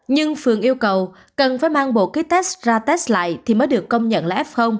nhưng phường yêu cầu cần phải mang bộ kites ra test lại thì mới được công nhận là f